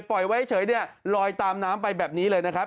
ปล่อยไว้เฉยเนี่ยลอยตามน้ำไปแบบนี้เลยนะครับ